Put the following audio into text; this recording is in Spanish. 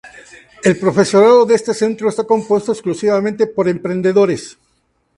El profesorado de este centro está compuesto exclusivamente por emprendedores.